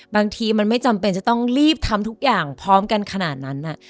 บางทีมันไม่จำเป็นจะต้องรีบทำทุกอย่างพร้อมกันขนาดนั้น